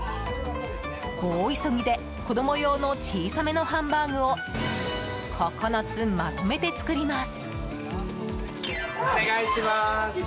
大急ぎで子供用の小さめのハンバーグを９つ、まとめて作ります。